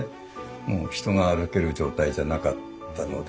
もう人が歩ける状態じゃなかったので。